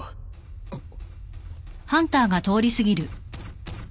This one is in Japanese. ・あっ。